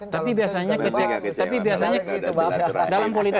tapi biasanya dalam politik kekecewaan biasanya dikalahin